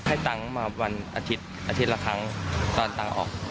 ตังค์มาวันอาทิตย์อาทิตย์ละครั้งตอนตังค์ออก